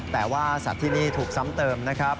แต่ว่าสัตว์ที่นี่ถูกซ้ำเติมนะครับ